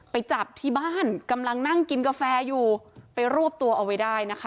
ไปจับที่บ้านกำลังนั่งกินกาแฟอยู่ไปรวบตัวเอาไว้ได้นะคะ